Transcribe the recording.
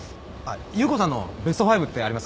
優子さんのベスト５ってありますか？